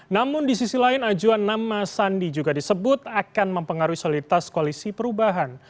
namun di sisi lain ajuan nama sandi juga disebut akan mempengaruhi soliditas koalisi perubahan